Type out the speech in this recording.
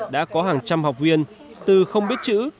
đã có hàng trăm học viên từ không biết chữ